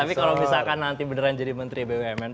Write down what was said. tapi kalau misalkan nanti beneran jadi menteri bumn